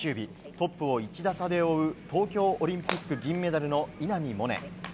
トップを１打差で追う東京オリンピック銀メダルの稲見萌寧。